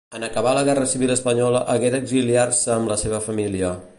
En acabar la guerra civil espanyola hagué d'exiliar-se amb la seva família.